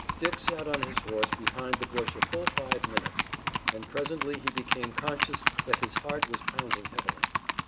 Dick sat on his horse behind the bush a full five minutes, and presently he became conscious that his heart was pounding heavily.